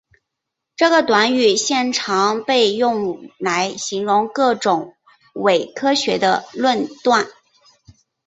这个短语现常被用来形容各种伪科学的论断。